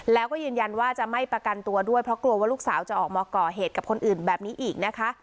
แล้วก็ยืนยันว่าจะไม่ประกันตัวด้วยเพราะกลัวว่าลูกสาวจะออกมาก่อเหตุกับคนอื่นแบบนี้อีกนะคะ